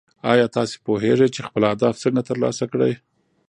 ایا تاسو پوهېږئ چې خپل اهداف څنګه ترلاسه کړئ؟